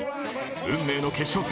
運命の決勝戦。